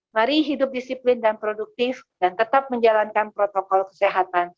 mari hidup disiplin dan produktif dan tetap menjalankan protokol kesehatan